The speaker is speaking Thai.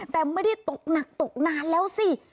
แต่ไม่ได้ตกหนักตกนานแล้วสิ